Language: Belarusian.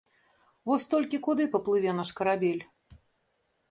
Вось толькі куды паплыве наш карабель?